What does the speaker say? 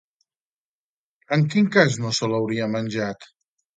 En quin cas no se l'hauria menjat?